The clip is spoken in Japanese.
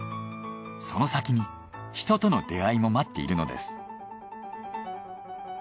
その先に人との出会いも待っているのです。